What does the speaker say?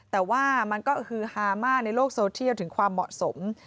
แต่ว่ามันก็ฮือฮามากในโลกโซเชียลถึงความเหมาะสม